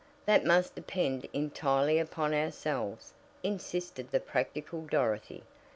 "That must depend entirely upon ourselves," insisted the practical Dorothy.